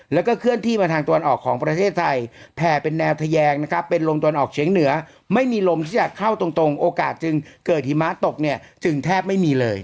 แล้วก็เคลื่อนที่มาทางตะวันออกของประเทศไทยแผ่เป็นแนวทะแยงนะครับเป็นลมตะวันออกเฉียงเหนือไม่มีลมที่จะเข้าตรงโอกาสจึงเกิดหิมะตกเนี่ยจึงแทบไม่มีเลย